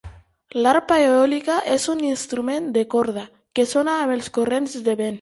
L'arpa eòlica és un instrument de corda que sona amb els corrents de vent.